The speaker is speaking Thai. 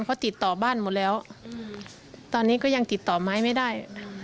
เขาติดต่อบ้านหมดแล้วตอนนี้ก็ยังติดต่อไม้ไม่ได้